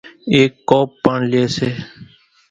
ايڪ ڪوپ پڻ لئي سي۔